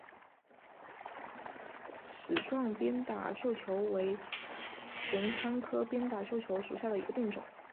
齿状鞭打绣球为玄参科鞭打绣球属下的一个变种。